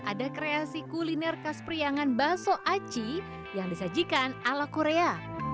ada kreasi kuliner khas priangan baso aci yang disajikan ala korea